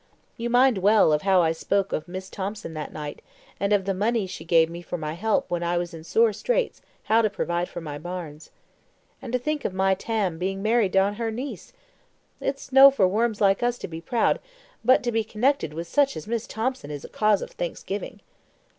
You mind well of how I spoke of Miss Thomson that night, and of the money she gave for my help when I was in sore straits how to provide for my bairns. And to think of my Tam being married on her niece! It's no for worms like us to be proud, but to be connected with such as Miss Thomson is a cause of thanksgiving."